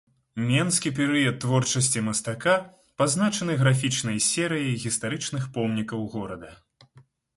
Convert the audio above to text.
Менскі перыяд творчасці мастака пазначаны графічнай серыяй гістарычных помнікаў горада.